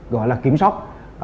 gọi là kiểm soát